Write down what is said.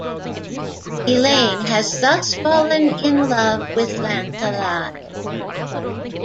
Elaine has thus fallen in love with Lancelot.